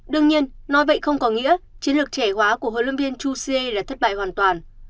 đương nhiên nói vậy không có nghĩa chiến lược trẻ hóa của hồ lâm viên chusie là thất bại hoàn toàn